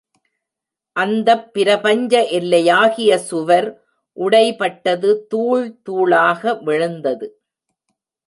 அந்தப் பிரபஞ்ச எல்லையாகிய சுவர் உடைபட்டது தூள்தூளாக விழுந்தது.